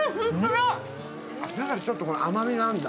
だからちょっと甘みがあるんだ。